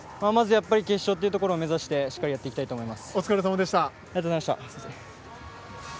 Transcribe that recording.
決勝というところをしっかり目指してやっていきたいと思います。